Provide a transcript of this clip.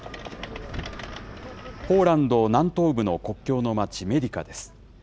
ポーランド南東部の国境の町、メディカです。